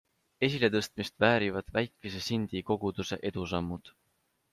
Esiletõstmist väärivad väikese Sindi koguduse edusammud.